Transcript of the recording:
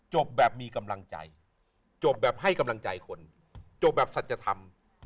จบแบบมีกำลังใจจบแบบให้กำลังใจคนจบแบบสัจธรรม